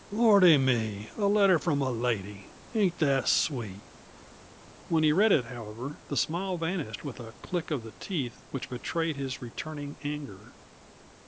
"Lordy me, a letter from a lady! Ain't that sweet!" When he read it, however, the smile vanished with a click of the teeth which betrayed his returning anger.